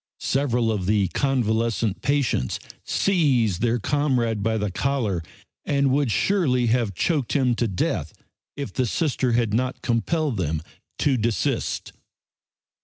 Several of the convalescent patients seized their comrade by the collar, and would surely have choked him to death if the Sister had not compelled them to desist.